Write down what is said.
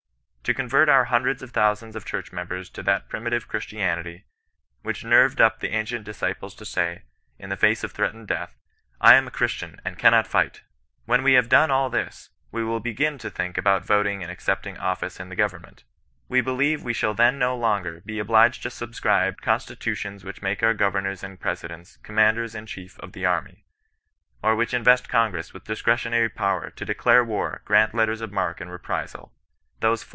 To convert our hundreds of thousands of church members to that primitive Christianity, which nerved up the ancient disciples to say, in the face of threatened death —*^ I am a Christian, and cannot fight !" When we have done all this, we will begin to think about voting and accepting office in the government. We be lieve we shall then no longer be obliged to subscribe Constitutions which make our governors and presidents ^^commanders in chief of the armyy^ or which invest Congress with discretionary power "to declare war, grant letters of marque and reprisal" — those flh.